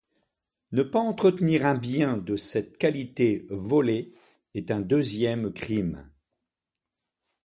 Ne pas entretenir un bien de cette qualité volé est un deuxième crime.